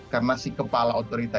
karena si kepala otorita